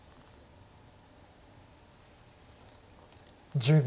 １０秒。